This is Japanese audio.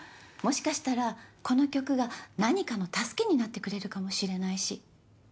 もしかしたらこの曲が何かの助けになってくれるかもしれないし。